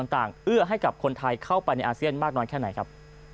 เอื้อให้กับคนไทยเข้าไปในอาเซียนมากน้อยแค่ไหนครับ